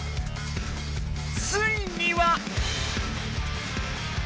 ついには。